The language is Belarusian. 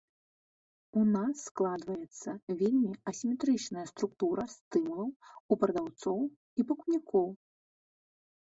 У нас складваецца вельмі асіметрычная структура стымулаў у прадаўцоў і пакупнікоў.